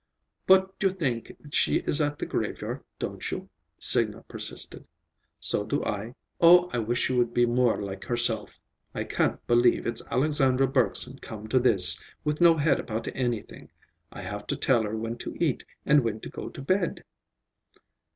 "But you think she is at the graveyard, don't you?" Signa persisted. "So do I. Oh, I wish she would be more like herself! I can't believe it's Alexandra Bergson come to this, with no head about anything. I have to tell her when to eat and when to go to bed."